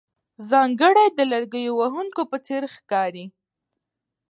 ځانګړی د لرګیو وهونکو په څېر ښکارې.